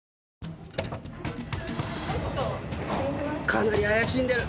かなり怪しんでる。